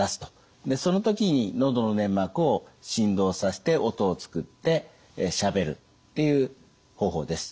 でその時に喉の粘膜を振動させて音を作ってしゃべるっていう方法です。